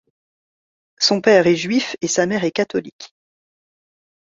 Son père est juif et sa mère est catholique.